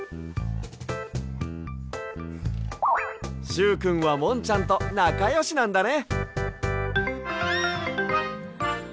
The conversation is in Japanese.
しゅうくんはもんちゃんとなかよしなんだね。